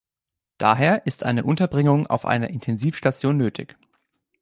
Daher ist eine Unterbringung auf einer Intensivstation nötig.